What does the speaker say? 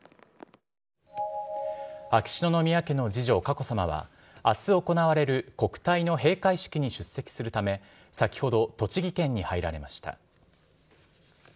秋篠宮家の次女、佳子さまは、あす行われる国体の閉会式に出席するため、先ほど栃木県に入られました。